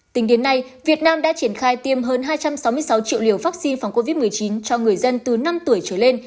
tính đến nay việt nam đã triển khai tiêm hơn hai trăm sáu mươi sáu triệu liều vaccine phòng covid một mươi chín cho người dân từ năm tuổi trở lên